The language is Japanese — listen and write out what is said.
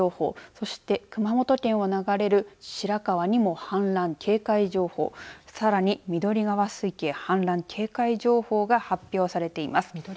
そして熊本県を流れる白川にも氾濫警戒情報さらに緑川水系、氾濫警戒情報が発表されてます。